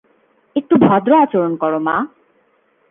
একটু ভদ্র আচরণ করো, মা!